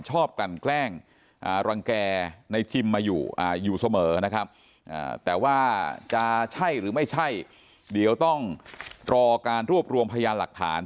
กลั่นแกล้งรังแก่ในจิมมาอยู่เสมอนะครับแต่ว่าจะใช่หรือไม่ใช่เดี๋ยวต้องรอการรวบรวมพยานหลักฐาน